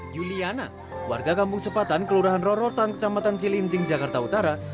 juliana warga kampung sepatan kelurahan rorotan kecamatan cilincing jakarta utara